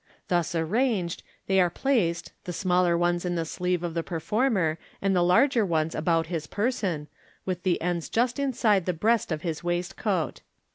Thus arranged, they are placed, the smaller ones in the sleeve of the performer, and the larger ones about his person, with the ends just inside the breast of his waist coat.